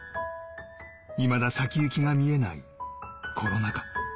いまだ先行きが見えないコロナ禍。